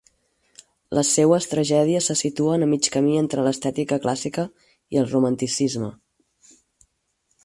Les seues tragèdies se situen a mig camí entre l'estètica clàssica i el romanticisme.